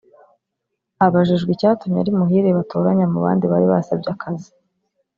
Abajijwe icyatumye ari Muhire batoranya mu bandi bari basabye akazi